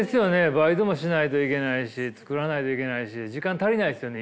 バイトもしないといけないし作らないといけないし時間足りないっすよね